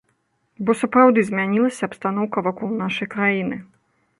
Бо сапраўды змянілася абстаноўка вакол нашай краіны.